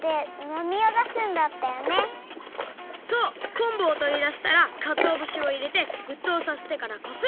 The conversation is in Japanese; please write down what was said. こんぶをとりだしたらかつおぶしをいれてふっとうさせてからこす！